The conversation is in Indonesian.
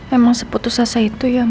emang seputus asa itu ya